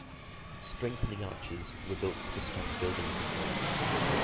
Strengthening arches were built to stop the building from collapsing.